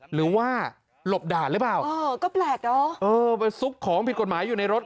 หรือว่าหลบด่านหรือเปล่าเออก็แปลกเนอะเออไปซุกของผิดกฎหมายอยู่ในรถ